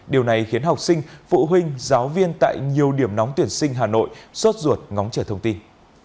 điều này khiến học sinh phụ huynh giáo viên tại nhiều điểm nóng tuyển sinh hà nội xót ruột ngóng trở thông tin